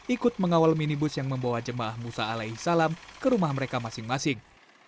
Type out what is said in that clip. ikut mengawal minibus yang membawa jemaah musa alaihi salam ke rumah mereka masing masing